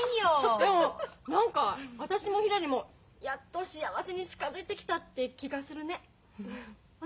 でも何か私もひらりもやっと幸せに近づいてきたって気がするね。